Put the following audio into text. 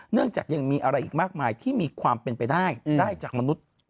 จากยังมีอะไรอีกมากมายที่มีความเป็นไปได้ได้จากมนุษย์